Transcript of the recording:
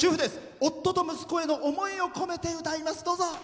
夫と息子の思いを込めて歌います。